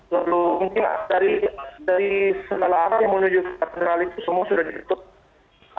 lalu mungkin dari setelah akhir menuju general itu semua sudah ditutup